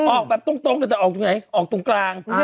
๘๗๙ออกแบบตรงแต่ตรงไหนออกตรงกลาง